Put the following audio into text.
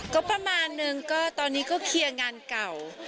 ก็ประมาณนึงก็ตอนนี้ก็เคลียร์งานเก่า